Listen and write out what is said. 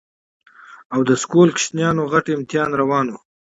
او د سکول ماشومانو غټ امتحان روان وو